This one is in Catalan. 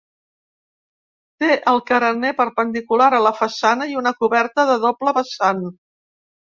Té el carener perpendicular a la façana i una coberta de doble vessant.